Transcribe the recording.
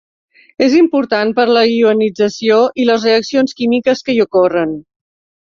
És important per la ionització i les reaccions químiques que hi ocorren.